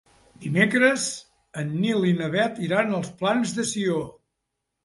Dimecres en Nil i na Bet iran als Plans de Sió.